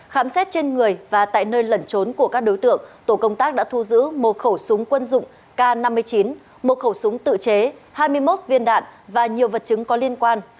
khám xét trên người và tại nơi lẩn trốn của các đối tượng tổ công tác đã thu giữ một khẩu súng quân dụng k năm mươi chín một khẩu súng tự chế hai mươi một viên đạn và nhiều vật chứng có liên quan